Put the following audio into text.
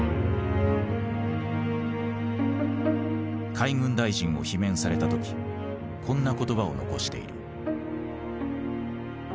海軍大臣を罷免された時こんな言葉を残している。